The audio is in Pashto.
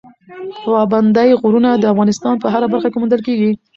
پابندی غرونه د افغانستان په هره برخه کې موندل کېږي.